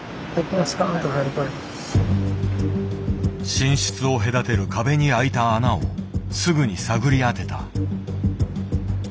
心室を隔てる壁にあいた穴をすぐに探り当てた。